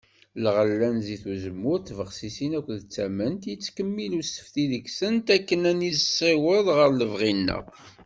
Lɣella n zzit n uzemmur d tbexsisin akked tamemt, yettkemmil usefti deg-sent akken ad nessiweḍ ɣar lebɣi-nneɣ.